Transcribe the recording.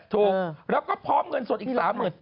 ถูกแล้วก็พร้อมเงินสดอีก๓หมื่น